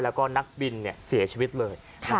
แล้วก็นักบินเสียชีวิตเลย